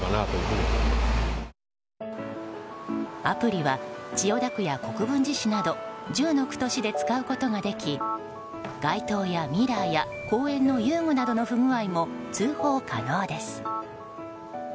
アプリは千代田区や国分寺市など１０の区と市で使うことができ街灯やミラーや公園の遊具などの不具合も通報可能です。